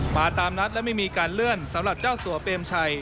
ตามนัดและไม่มีการเลื่อนสำหรับเจ้าสัวเปรมชัย